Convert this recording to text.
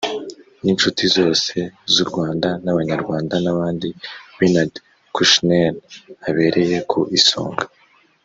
n'inshuti zose z'u rwanda n'abanyarwanda n'abandi bernard kouchner abereye ku isonga